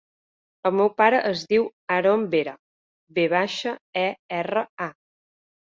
El meu pare es diu Aron Vera: ve baixa, e, erra, a.